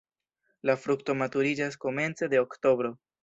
La frukto maturiĝas komence de oktobro.